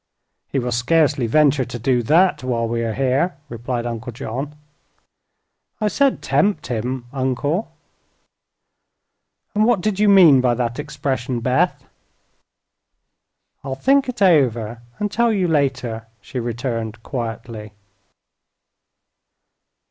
"He will scarcely venture to do that while we are here," replied Uncle John. "I said 'tempt him,' Uncle." "And what did you mean by that expression, Beth?" "I'll think it over and tell you later," she returned, quietly.